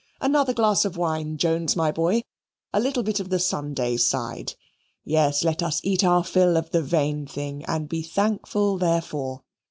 Another glass of wine, Jones, my boy a little bit of the Sunday side. Yes, let us eat our fill of the vain thing and be thankful therefor.